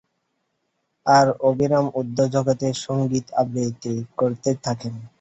আর অবিরাম উর্ধ্ব জগতের সঙ্গীত আবৃত্তি করতে থাকতেন।